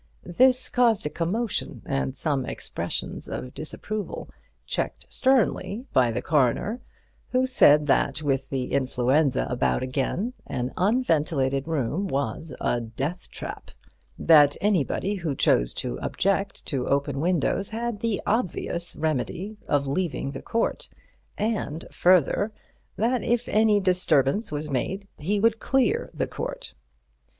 This caused a commotion and some expressions of disapproval, checked sternly by the coroner, who said that with the influenza about again an unventilated room was a deathtrap; that anybody who chose to object to open windows had the obvious remedy of leaving the court, and further, that if any disturbance was made he would clear the court.